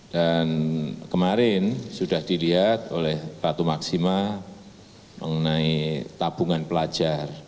kemarin sudah dilihat oleh ratu maksima mengenai tabungan pelajar